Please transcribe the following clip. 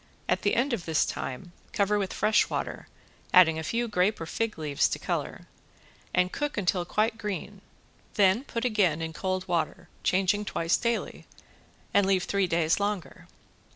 At the end of this time cover with fresh water, adding a few grape or fig leaves to color, and cook until quite green. Then put again in cold water, changing twice daily, and leave three days longer.